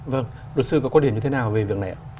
vâng luật sư có quan điểm như thế nào về việc này ạ